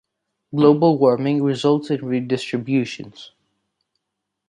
Global warming results in redistributions.